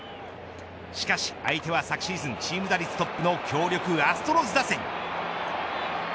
しかし相手は昨シーズンチーム打率トップの強力アストロズ打線。